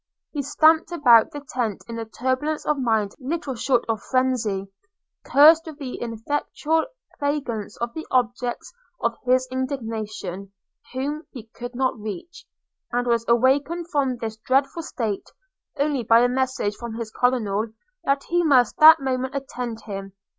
He stamped about the tent in a turbulence of mind little short of phrensy – cursed with ineffectual vengeance the objects of his indignation, whom he could not reach; and was awakened from this dreadful state, only by a message from his Colonel that he must that moment attend him.